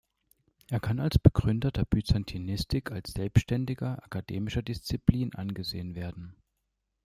Er kann als Begründer der Byzantinistik als selbständiger akademischer Disziplin angesehen werden.